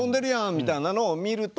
みたいなのを見ると。